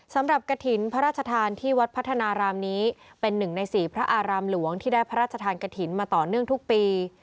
กระถิ่นพระราชทานที่วัดพัฒนารามนี้เป็นหนึ่งในสี่พระอารามหลวงที่ได้พระราชทานกฐินมาต่อเนื่องทุกปี